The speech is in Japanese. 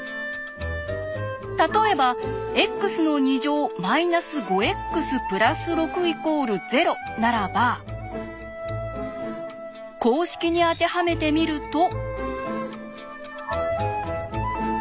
例えばならば公式に当てはめてみると。